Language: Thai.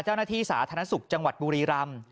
เจ้าหน้าที่สาธารณสุขจังหวัดบุรีรำ